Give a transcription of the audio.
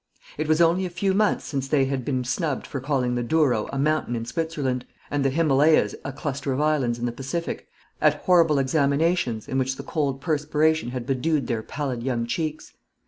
It was only a few months since they had been snubbed for calling the Douro a mountain in Switzerland, and the Himalayas a cluster of islands in the Pacific, at horrible examinations, in which the cold perspiration had bedewed their pallid young cheeks.